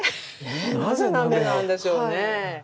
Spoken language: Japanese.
なぜ鍋なんでしょうね。